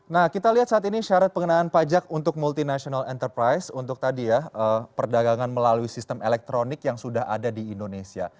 nah kita lihat saat ini syarat pengenaan pajak untuk multinational enterprise untuk tadi ya perdagangan melalui sistem elektronik yang sudah ada di indonesia